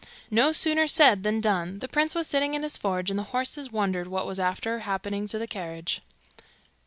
No sooner said than done. The prince was sitting in his forge, and the horses wondered what was after happening to the carriage.